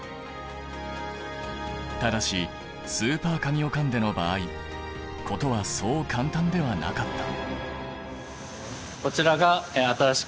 ただしスーパーカミオカンデの場合事はそう簡単ではなかった。